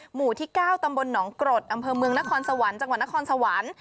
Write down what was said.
หมู่ที่๙ตำบลหนองกรดอำเภอเมืองนครสวรรค์จังหวัดนครสวรรค์